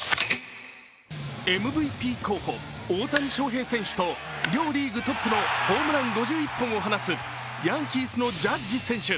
ＭＶＰ候補・大谷翔平選手と両リーグトップのホームラン５１本を放つヤンキースのジャッジ選手。